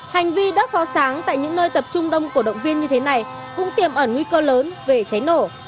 hành vi đất phó sáng tại những nơi tập trung đông của động viên như thế này cũng tiềm ẩn nguy cơ lớn về cháy nổ